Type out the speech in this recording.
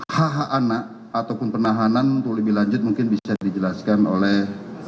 hh anak ataupun penahanan untuk lebih lanjut mungkin bisa dijelaskan oleh